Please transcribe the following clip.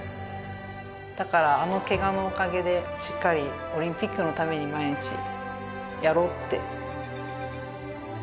だから、あのケガのおかげで「しっかりオリンピックのために毎日やろう」って。